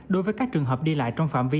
đối với các trường hợp đi lại trong phạm vi